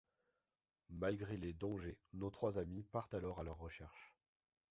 Malgré les dangers nos trois amis partent alors à leur recherche...